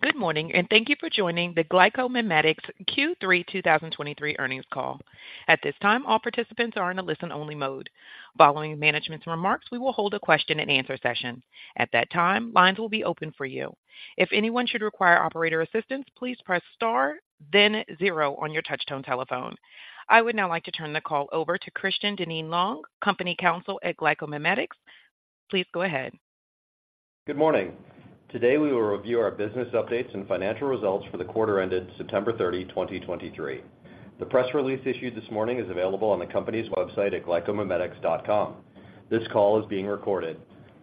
Good morning, and thank you for joining the GlycoMimetics Q3 2023 Earnings Call. At this time, all participants are in a listen-only mode. Following management's remarks, we will hold a question-and-answer session. At that time, lines will be open for you. If anyone should require operator assistance, please press star, then zero on your touchtone telephone. I would now like to turn the call over to Christian Dinneen-Long, Company Counsel at GlycoMimetics. Please go ahead. Good morning. Today, we will review our business updates and financial results for the quarter ended September 30, 2023. The press release issued this morning is available on the company's website at GlycoMimetics.com. This call is being recorded.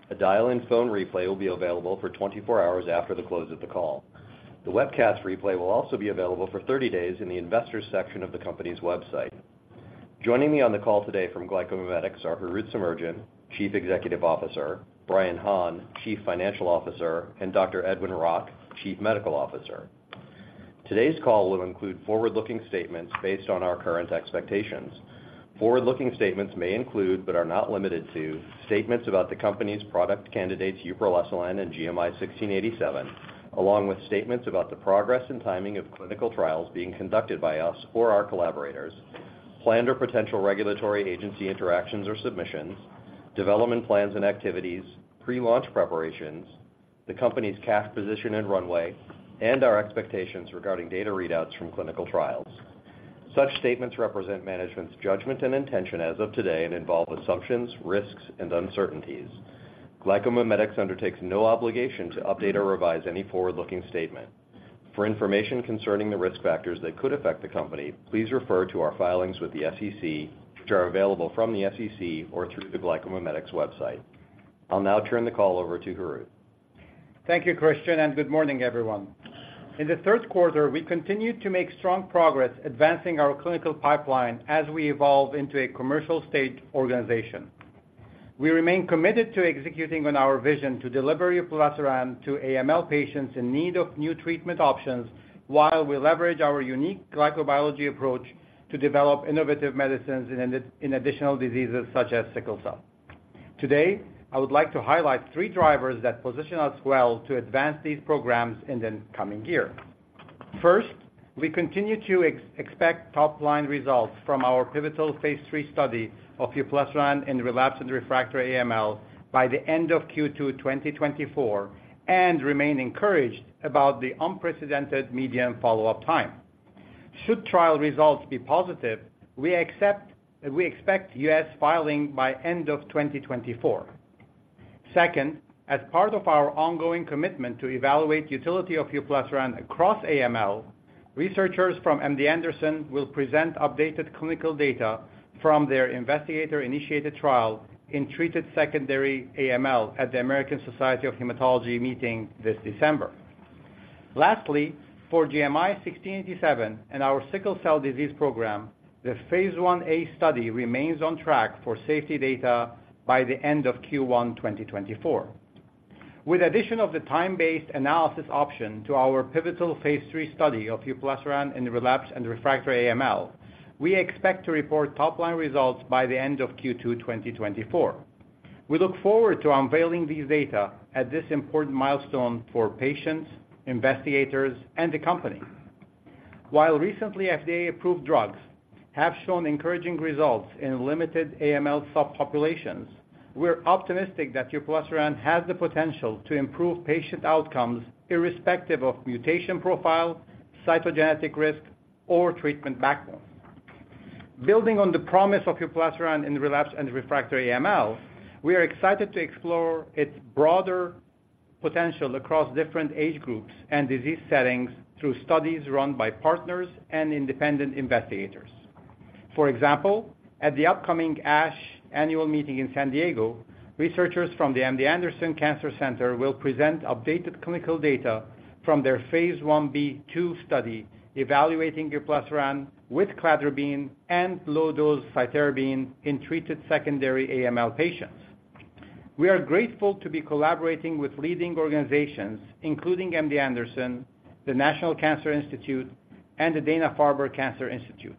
A dial-in phone replay will be available for 24 hours after the close of the call. The webcast replay will also be available for 30 days in the Investors section of the company's website. Joining me on the call today from GlycoMimetics are Harout Semerjian, Chief Executive Officer, Brian Hahn, Chief Financial Officer, and Dr Edwin Rock, Chief Medical Officer. Today's call will include forward-looking statements based on our current expectations. Forward-looking statements may include, but are not limited to, statements about the company's product candidates, uproleselan and GMI-1687, along with statements about the progress and timing of clinical trials being conducted by us or our collaborators, planned or potential regulatory agency interactions or submissions, development plans and activities, pre-launch preparations, the company's cash position and runway, and our expectations regarding data readouts from clinical trials. Such statements represent management's judgment and intention as of today and involve assumptions, risks, and uncertainties. GlycoMimetics undertakes no obligation to update or revise any forward-looking statement. For information concerning the risk factors that could affect the company, please refer to our filings with the SEC, which are available from the SEC or through the GlycoMimetics website. I'll now turn the call over to Harout. Thank you, Christian, and good morning, everyone. In the third quarter, we continued to make strong progress advancing our clinical pipeline as we evolve into a commercial stage organization. We remain committed to executing on our vision to deliver uproleselan to AML patients in need of new treatment options, while we leverage our unique glycobiology approach to develop innovative medicines in additional diseases such as sickle cell. Today, I would like to highlight three drivers that position us well to advance these programs in the coming year. First, we continue to expect top-line results from our pivotal phase III study of uproleselan in relapsed and refractory AML by the end of Q2 2024, and remain encouraged about the unprecedented median follow-up time. Should trial results be positive, we expect U.S. filing by end of 2024. Second, as part of our ongoing commitment to evaluate utility of uproleselan across AML, researchers from MD Anderson will present updated clinical data from their investigator-initiated trial in treated secondary AML at the American Society of Hematology meeting this December. Lastly, for GMI-1687 and our sickle cell disease program, the phase I-A study remains on track for safety data by the end of Q1 2024. With addition of the time-based analysis option to our pivotal phase III study of uproleselan in relapsed and refractory AML, we expect to report top-line results by the end of Q2 2024. We look forward to unveiling these data at this important milestone for patients, investigators, and the company. While recently FDA-approved drugs have shown encouraging results in limited AML subpopulations, we're optimistic that uproleselan has the potential to improve patient outcomes, irrespective of mutation profile, cytogenetic risk, or treatment backbone. Building on the promise of uproleselan in relapsed and refractory AML, we are excited to explore its broader potential across different age groups and disease settings through studies run by partners and independent investigators. For example, at the upcoming ASH Annual Meeting in San Diego, researchers from the MD Anderson Cancer Center will present updated clinical data from their phase I-B/2 study, evaluating uproleselan with cladribine and low-dose cytarabine in treated secondary AML patients. We are grateful to be collaborating with leading organizations, including MD Anderson, the National Cancer Institute, and the Dana-Farber Cancer Institute.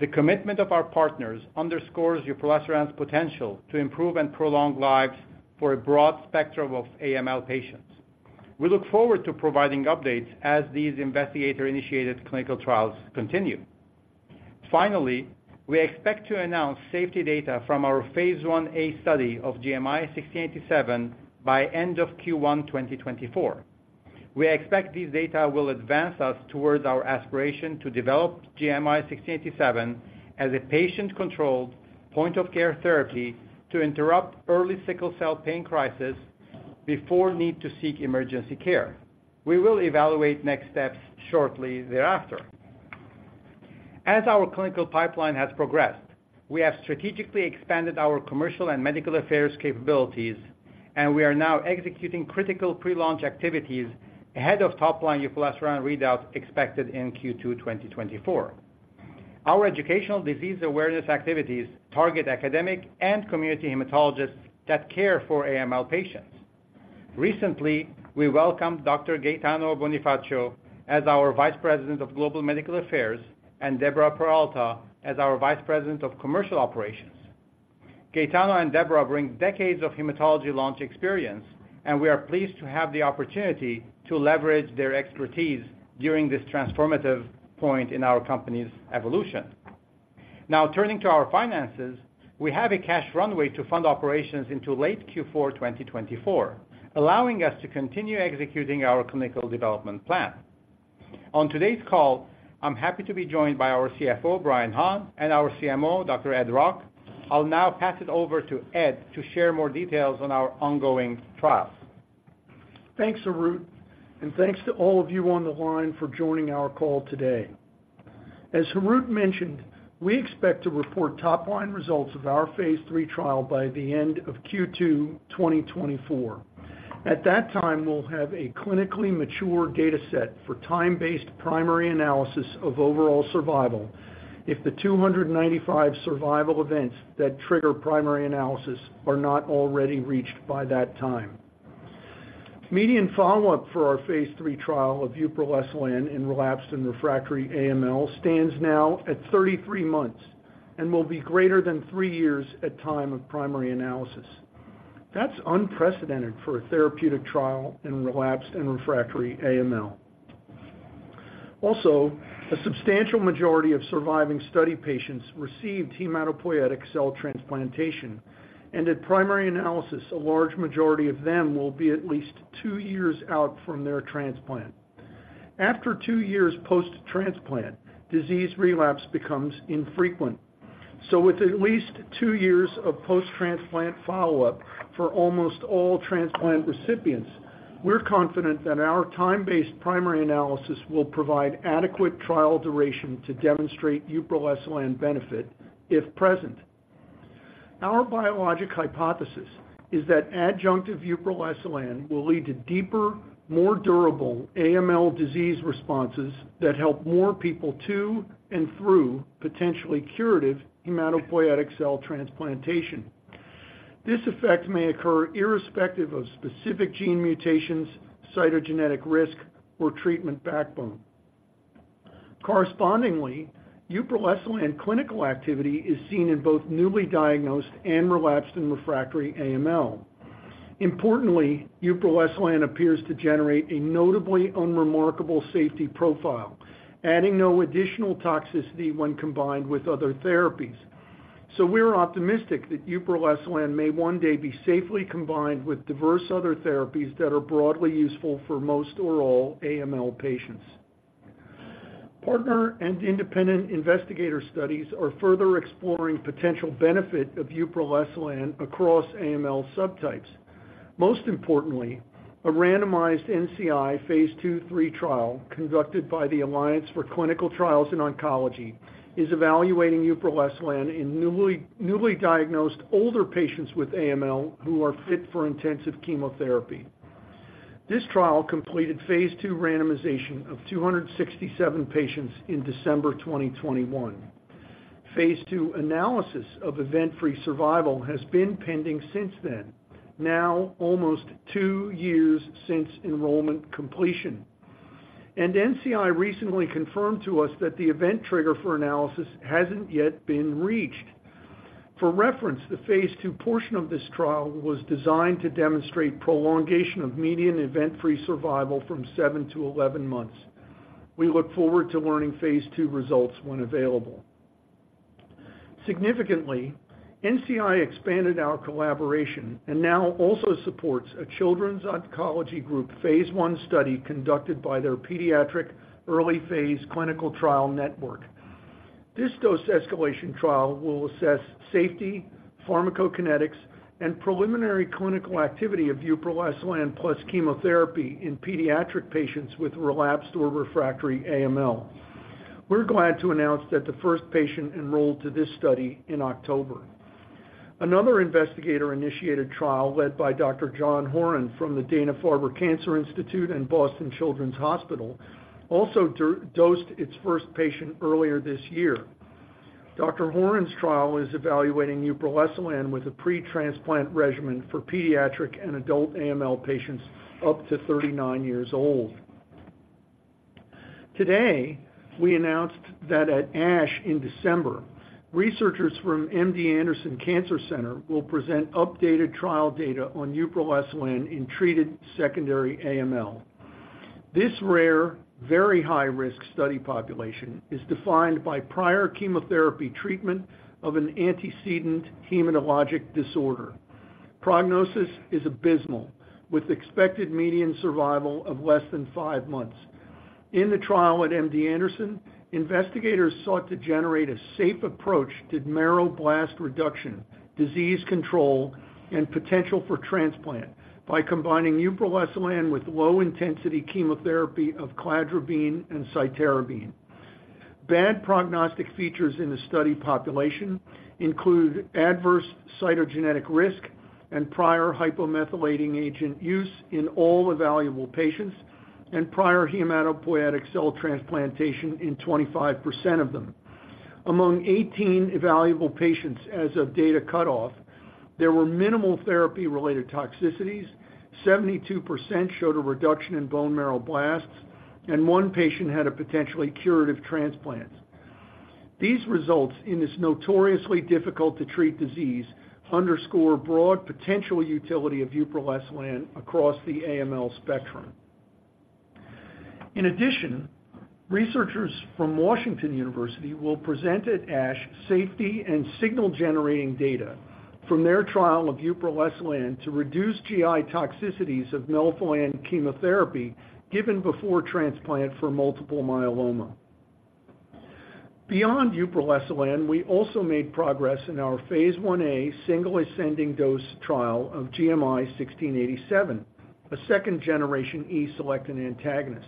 The commitment of our partners underscores uproleselan's potential to improve and prolong lives for a broad spectrum of AML patients. We look forward to providing updates as these investigator-initiated clinical trials continue. Finally, we expect to announce safety data from our phase I-A study of GMI-1687 by end of Q1 2024. We expect these data will advance us towards our aspiration to develop GMI-1687 as a patient-controlled point-of-care therapy to interrupt early sickle cell pain crisis before need to seek emergency care. We will evaluate next steps shortly thereafter. As our clinical pipeline has progressed, we have strategically expanded our commercial and medical affairs capabilities, and we are now executing critical pre-launch activities ahead of top-line uproleselan readout expected in Q2 2024. Our educational disease awareness activities target academic and community hematologists that care for AML patients. Recently, we welcomed Dr. Gaetano Bonifacio as our Vice President of Global Medical Affairs, and Debora Peralta as our Vice President of Commercial Operations. Gaetano and Debora bring decades of hematology launch experience, and we are pleased to have the opportunity to leverage their expertise during this transformative point in our company's evolution. Now, turning to our finances, we have a cash runway to fund operations into late Q4 2024, allowing us to continue executing our clinical development plan. On today's call, I'm happy to be joined by our CFO, Brian Hahn, and our CMO, Dr. Ed Rock. I'll now pass it over to Ed to share more details on our ongoing trials. Thanks, Harout, and thanks to all of you on the line for joining our call today. As Harout mentioned, we expect to report top-line results of our phase III trial by the end of Q2 2024. At that time, we'll have a clinically mature data set for time-based primary analysis of overall survival if the 295 survival events that trigger primary analysis are not already reached by that time. Median follow-up for our phase III trial of uproleselan in relapsed and refractory AML stands now at 33 months and will be greater than three years at time of primary analysis. That's unprecedented for a therapeutic trial in relapsed and refractory AML. Also, a substantial majority of surviving study patients received hematopoietic cell transplantation, and at primary analysis, a large majority of them will be at least two years out from their transplant. After two years post-transplant, disease relapse becomes infrequent. So with at least two years of post-transplant follow-up for almost all transplant recipients, we're confident that our time-based primary analysis will provide adequate trial duration to demonstrate uproleselan benefit if present. Our biologic hypothesis is that adjunctive uproleselan will lead to deeper, more durable AML disease responses that help more people to and through potentially curative hematopoietic cell transplantation. This effect may occur irrespective of specific gene mutations, cytogenetic risk, or treatment backbone. Correspondingly, uproleselan clinical activity is seen in both newly diagnosed and relapsed and refractory AML. Importantly, uproleselan appears to generate a notably unremarkable safety profile, adding no additional toxicity when combined with other therapies. So we're optimistic that uproleselan may one day be safely combined with diverse other therapies that are broadly useful for most or all AML patients. Partner and independent investigator studies are further exploring potential benefit of uproleselan across AML subtypes. Most importantly, a randomized NCI phase II/III trial conducted by the Alliance for Clinical Trials in Oncology is evaluating uproleselan in newly diagnosed older patients with AML who are fit for intensive chemotherapy. This trial completed phase II randomization of 267 patients in December 2021. Phase II analysis of event-free survival has been pending since then, now almost two years since enrollment completion. NCI recently confirmed to us that the event trigger for analysis hasn't yet been reached. For reference, the phase II portion of this trial was designed to demonstrate prolongation of median event-free survival from 7 months-11 months. We look forward to learning phase II results when available. Significantly, NCI expanded our collaboration and now also supports a Children's Oncology Group phase I study conducted by their Pediatric Early Phase-Clinical Trial Network. This dose escalation trial will assess safety, pharmacokinetics, and preliminary clinical activity of uproleselan plus chemotherapy in pediatric patients with relapsed or refractory AML. We're glad to announce that the first patient enrolled to this study in October. Another investigator-initiated trial led by Dr. John Horan from the Dana-Farber Cancer Institute and Boston Children's Hospital also dosed its first patient earlier this year. Dr. Horan's trial is evaluating uproleselan with a pre-transplant regimen for pediatric and adult AML patients up to 39 years old. Today, we announced that at ASH in December, researchers from MD Anderson Cancer Center will present updated trial data on uproleselan in treated secondary AML. This rare, very high-risk study population is defined by prior chemotherapy treatment of an antecedent hematologic disorder. Prognosis is abysmal, with expected median survival of less than five months. In the trial at MD Anderson, investigators sought to generate a safe approach to marrow blast reduction, disease control, and potential for transplant by combining uproleselan with low-intensity chemotherapy of cladribine and cytarabine. Bad prognostic features in the study population include adverse cytogenetic risk and prior hypomethylating agent use in all evaluable patients, and prior hematopoietic cell transplantation in 25% of them. Among 18 evaluable patients as of data cutoff, there were minimal therapy-related toxicities, 72% showed a reduction in bone marrow blasts, and one patient had a potentially curative transplant. These results in this notoriously difficult to treat disease underscore broad potential utility of uproleselan across the AML spectrum. In addition, researchers from Washington University will present at ASH safety and signal-generating data from their trial of uproleselan to reduce GI toxicities of melphalan chemotherapy given before transplant for multiple myeloma. Beyond uproleselan, we also made progress in our phase IA single ascending dose trial of GMI-1687, a second-generation E-selectin antagonist.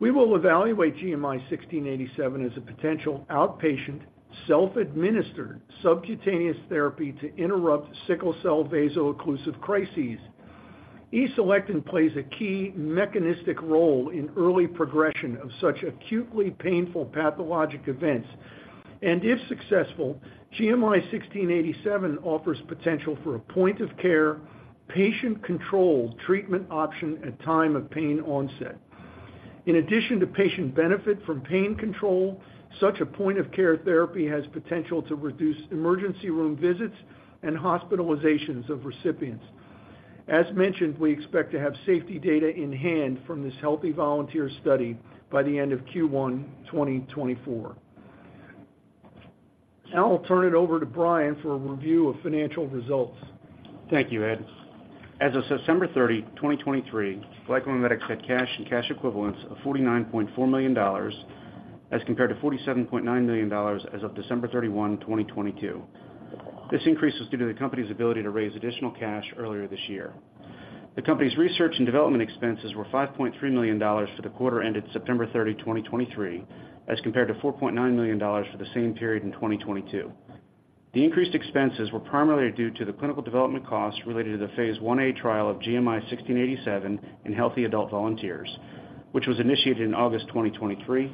We will evaluate GMI-1687 as a potential outpatient, self-administered subcutaneous therapy to interrupt sickle cell vaso-occlusive crises. E-selectin plays a key mechanistic role in early progression of such acutely painful pathologic events, and if successful, GMI-1687 offers potential for a point of care, patient-controlled treatment option at time of pain onset. In addition to patient benefit from pain control, such a point-of-care therapy has potential to reduce emergency room visits and hospitalizations of recipients. As mentioned, we expect to have safety data in hand from this healthy volunteer study by the end of Q1 2024. Now I'll turn it over to Brian for a review of financial results. Thank you, Ed. As of September 30, 2023, GlycoMimetics had cash and cash equivalents of $49.4 million, as compared to $47.9 million as of December 31, 2022. This increase is due to the company's ability to raise additional cash earlier this year. The company's research and development expenses were $5.3 million for the quarter ended September 30, 2023, as compared to $4.9 million for the same period in 2022. The increased expenses were primarily due to the clinical development costs related to the phase I-A trial of GMI-1687 in healthy adult volunteers, which was initiated in August 2023,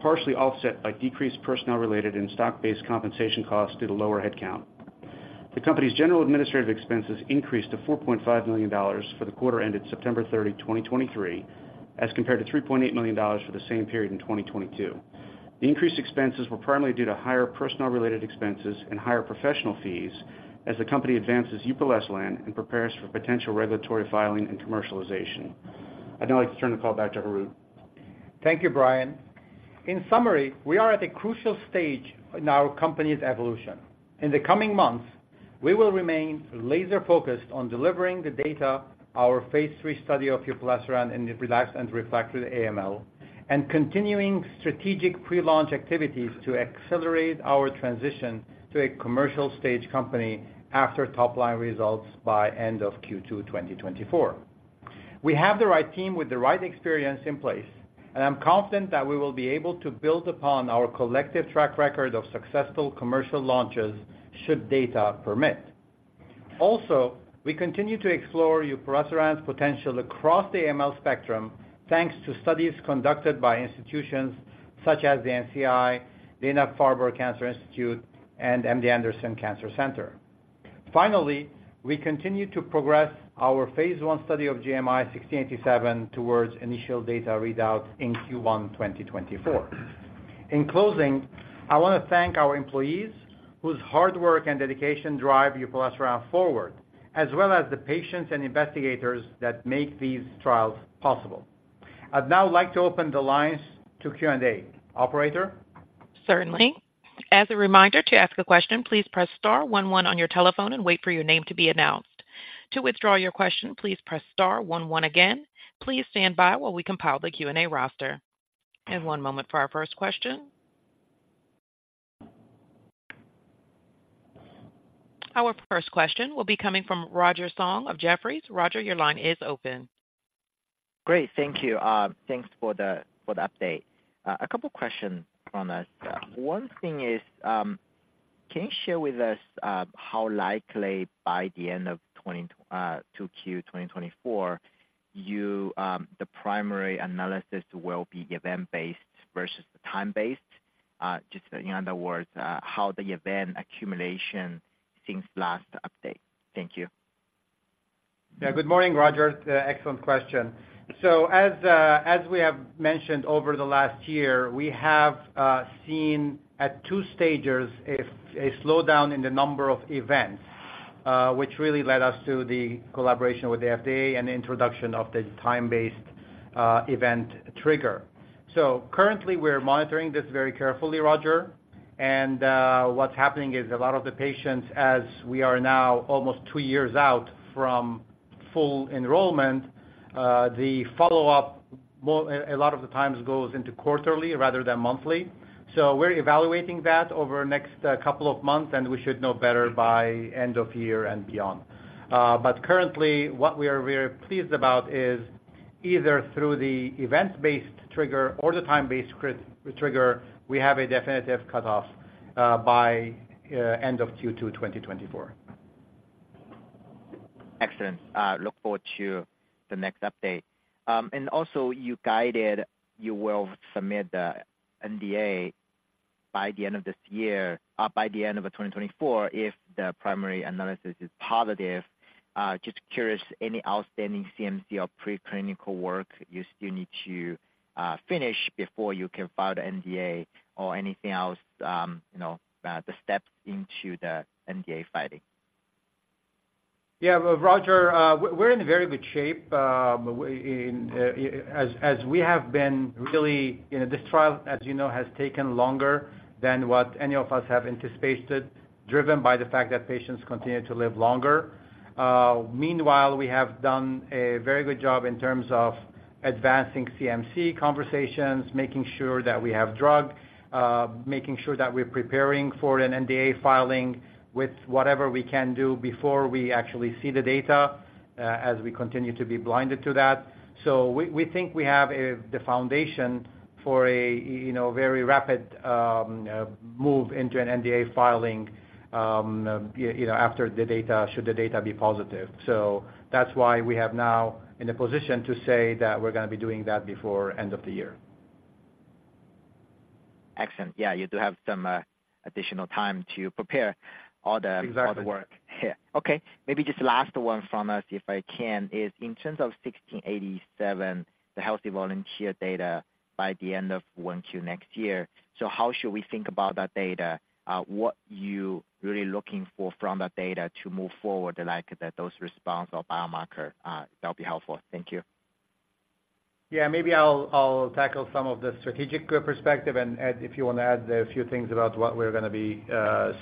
partially offset by decreased personnel-related and stock-based compensation costs due to lower headcount. The company's general administrative expenses increased to $4.5 million for the quarter ended September 30, 2023, as compared to $3.8 million for the same period in 2022. The increased expenses were primarily due to higher personnel-related expenses and higher professional fees as the company advances uproleselan and prepares for potential regulatory filing and commercialization. I'd now like to turn the call back to Harout. Thank you, Brian. In summary, we are at a crucial stage in our company's evolution. In the coming months, we will remain laser-focused on delivering the data, our phase III study of uproleselan in relapsed and refractory AML, and continuing strategic pre-launch activities to accelerate our transition to a commercial stage company after top-line results by end of Q2 2024. We have the right team with the right experience in place, and I'm confident that we will be able to build upon our collective track record of successful commercial launches should data permit. Also, we continue to explore uproleselan's potential across the AML spectrum, thanks to studies conducted by institutions such as the NCI, Dana-Farber Cancer Institute, and MD Anderson Cancer Center. Finally, we continue to progress our phase I study of GMI-1687 towards initial data readout in Q1 2024. In closing, I want to thank our employees, whose hard work and dedication drive uproleselan forward, as well as the patients and investigators that make these trials possible. I'd now like to open the lines to Q&A. Operator? Certainly. As a reminder, to ask a question, please press star one one on your telephone and wait for your name to be announced. To withdraw your question, please press star one one again. Please stand by while we compile the Q&A roster. One moment for our first question. Our first question will be coming from Roger Song of Jefferies. Roger, your line is open. Great, thank you. Thanks for the update. A couple of questions on this. One thing is, can you share with us how likely by the end of 2Q 2024 the primary analysis will be event-based versus time-based? Just in other words, how the event accumulation since last update. Thank you. Yeah. Good morning, Roger. Excellent question. So as we have mentioned over the last year, we have seen at two stages, a slowdown in the number of events, which really led us to the collaboration with the FDA and the introduction of the time-based event trigger. So currently, we're monitoring this very carefully, Roger. And, what's happening is a lot of the patients, as we are now almost two years out from full enrollment, the follow-up a lot of the times goes into quarterly rather than monthly. So we're evaluating that over the next couple of months, and we should know better by end of year and beyond. But currently, what we are very pleased about is either through the event-based trigger or the time-based criteria trigger, we have a definitive cutoff by end of Q2 2024. Excellent. Look forward to the next update. And also you guided, you will submit the NDA by the end of 2024, if the primary analysis is positive. Just curious, any outstanding CMC or preclinical work you still need to finish before you can file the NDA or anything else, you know, the steps into the NDA filing? Yeah, well, Roger, we're in very good shape. You know, this trial, as you know, has taken longer than what any of us have anticipated, driven by the fact that patients continue to live longer. Meanwhile, we have done a very good job in terms of advancing CMC conversations, making sure that we have drug, making sure that we're preparing for an NDA filing with whatever we can do before we actually see the data, as we continue to be blinded to that. So we think we have the foundation for a, you know, very rapid move into an NDA filing, you know, after the data, should the data be positive. That's why we have now in a position to say that we're gonna be doing that before end of the year. Excellent. Yeah, you do have some additional time to prepare all the work. Exactly. Okay, maybe just last one from us, if I can, is in terms of 1687, the healthy volunteer data by the end of 1Q next year. So how should we think about that data? What you really looking for from that data to move forward, like, that those response or biomarker, that'll be helpful. Thank you. Yeah, maybe I'll tackle some of the strategic perspective, and, Ed, if you wanna add a few things about what we're gonna be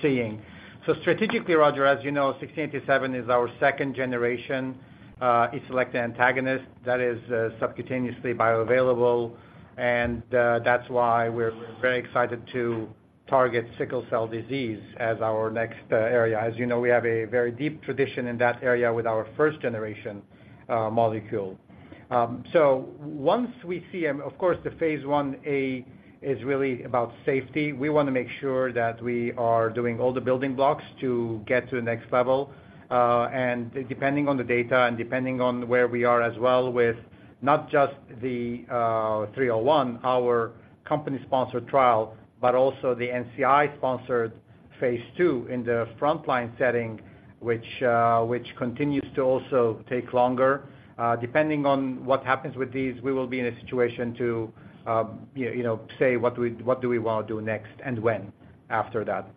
seeing. So strategically, Roger, as you know, 1687 is our second generation E-selectin antagonist that is subcutaneously bioavailable, and that's why we're very excited to target sickle cell disease as our next area. As you know, we have a very deep tradition in that area with our first-generation molecule. Of course, the phase I-A is really about safety. We wanna make sure that we are doing all the building blocks to get to the next level, and depending on the data and depending on where we are as well, with not just the 301, our company-sponsored trial, but also the NCI-sponsored phase II in the frontline setting, which continues to also take longer. Depending on what happens with these, we will be in a situation to, you know, say, what do we wanna do next and when, after that.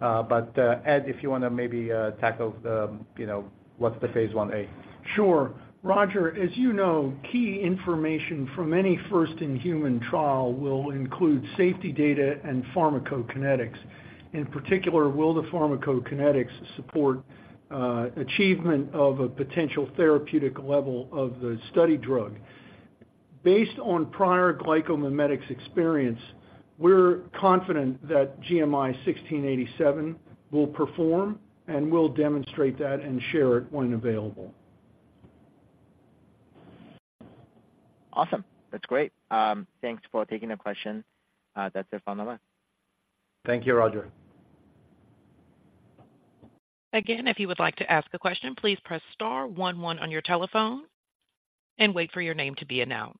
But, Ed, if you wanna maybe tackle the, you know, what's the phase I-A. Sure. Roger, as you know, key information from any first-in-human trial will include safety data and pharmacokinetics. In particular, will the pharmacokinetics support achievement of a potential therapeutic level of the study drug? Based on prior GlycoMimetics experience, we're confident that GMI-1687 will perform, and we'll demonstrate that and share it when available. Awesome. That's great. Thanks for taking the question. That's it on my end. Thank you, Roger. Again, if you would like to ask a question, please press star one one on your telephone and wait for your name to be announced.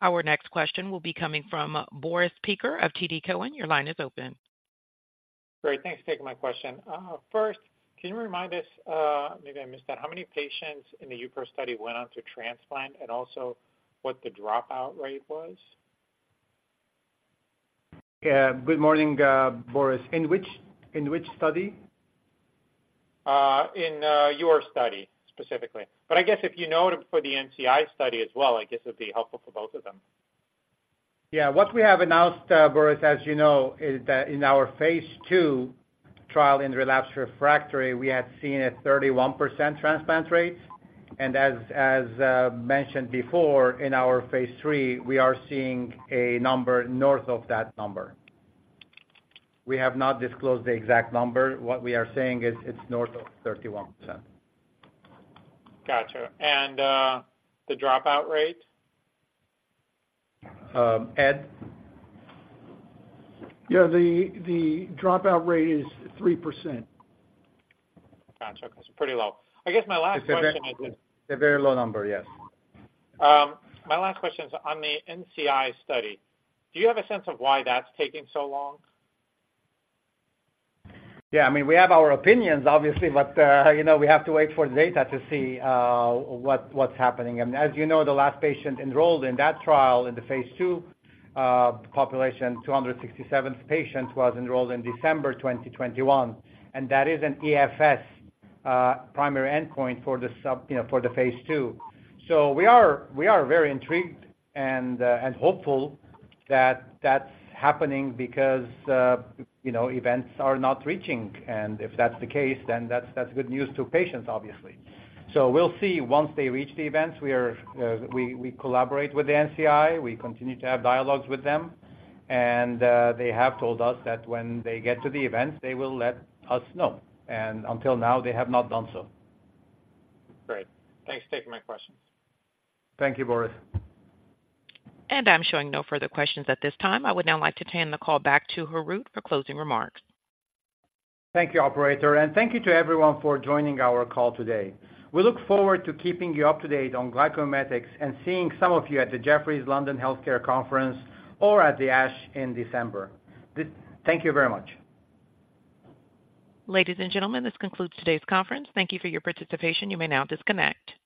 Our next question will be coming from Boris Peaker of TD Cowen. Your line is open. Great, thanks for taking my question. First, can you remind us, maybe I missed that, how many patients in the upro study went on to transplant and also what the dropout rate was? Yeah. Good morning, Boris. In which study? In your study specifically, but I guess if you know for the NCI study as well, I guess it'd be helpful for both of them. Yeah. What we have announced, Boris, as you know, is that in our phase II trial, in relapsed refractory, we had seen a 31% transplant rate. And as mentioned before, in our phase III, we are seeing a number north of that number. We have not disclosed the exact number. What we are saying is it's north of 31%. Gotcha. And, the dropout rate? Ed? Yeah, the dropout rate is 3%. Gotcha. It's pretty low. It's a very low number, yes. My last question is on the NCI study. Do you have a sense of why that's taking so long? Yeah, I mean, we have our opinions, obviously, but, you know, we have to wait for data to see, what, what's happening. And as you know, the last patient enrolled in that trial in the phase II, population, 267th patient, was enrolled in December 2021, and that is an EFS, primary endpoint for the, you know, phase II. So we are very intrigued and, and hopeful that that's happening because, you know, events are not reaching, and if that's the case, then that's good news to patients, obviously. So we'll see once they reach the events, we collaborate with the NCI, we continue to have dialogues with them, and they have told us that when they get to the event, they will let us know. Until now, they have not done so. Great. Thanks for taking my questions. Thank you, Boris. I'm showing no further questions at this time. I would now like to turn the call back to Harout for closing remarks. Thank you, Operator, and thank you to everyone for joining our call today. We look forward to keeping you up to date on GlycoMimetics and seeing some of you at the Jefferies London Healthcare Conference or at the ASH in December. Thank you very much. Ladies and gentlemen, this concludes today's conference. Thank you for your participation. You may now disconnect.